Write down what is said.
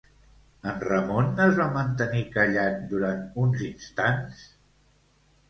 En Ramon es va mantenir callat durant uns instants?